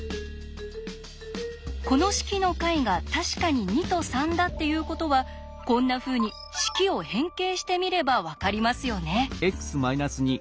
この式の解が確かに２と３だっていうことはこんなふうに式を変形してみれば分かりますよね？